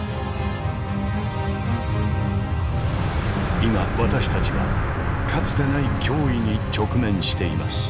今私たちはかつてない脅威に直面しています。